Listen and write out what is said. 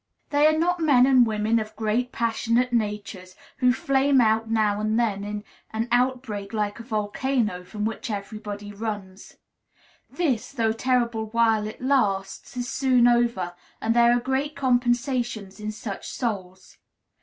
They are not men and women of great passionate natures, who flame out now and then in an outbreak like a volcano, from which everybody runs. This, though terrible while it lasts, is soon over, and there are great compensations in such souls.